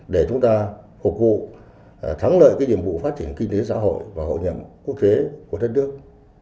để chúng ta phục vụ thắng lợi cái nhiệm vụ phát triển kinh tế xã hội và hội nhập quốc tế của đất nước